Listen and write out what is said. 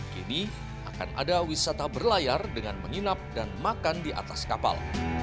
kini akan ada wisata berlayar dengan menginap dan makan di atas kapal